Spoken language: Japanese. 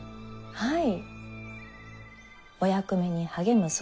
はい。